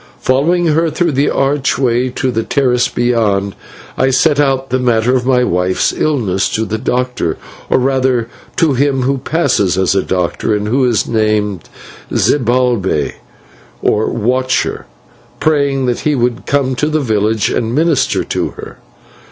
Following her through the archway to the terrace beyond, I set out the matter of my wife's illness to the doctor or rather to him who passes as a doctor, and who is named Zibalbay, or Watcher praying that he would come to the village and minister to her.